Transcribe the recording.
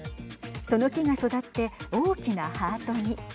その木が育って大きなハートに。